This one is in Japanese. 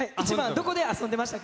どこで遊んでましたか？